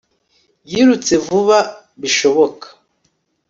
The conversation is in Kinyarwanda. Yirutse vuba bishoboka